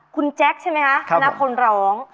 คุณแจ๊คใช่ไหมฮะผู้าครอง